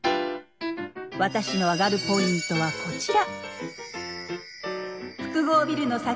私のアガるポイントはこちら。